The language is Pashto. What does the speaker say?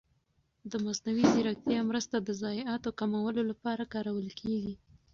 د مصنوعي ځېرکتیا مرسته د ضایعاتو کمولو لپاره کارول کېږي.